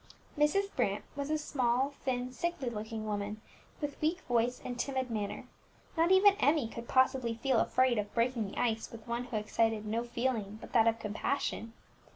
Mrs. Brant was a small, thin, sickly looking woman, with weak voice and timid manner; not even Emmie could possibly feel afraid of "breaking the ice" with one who excited no feeling but that of compassion.